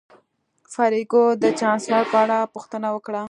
فریدګل د چانسلر په اړه پوښتنه وکړه